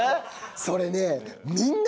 それね。